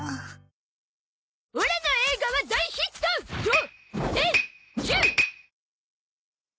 オラの映画は大ヒット